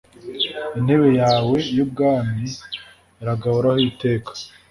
Intebe yawe y’ubwami iragahoraho iteka